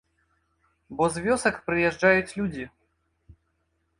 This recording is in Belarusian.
Бо з вёсак прыязджаюць людзі.